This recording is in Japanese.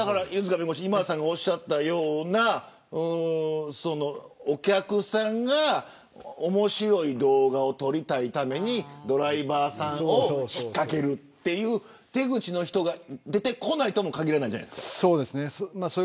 弁護士今田さんがおっしゃったようなお客さんが面白い動画を撮りたいためにドライバーを引っ掛けるという手口の人が出てこないともかぎらないですよね。